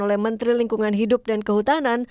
oleh menteri lingkungan hidup dan kehutanan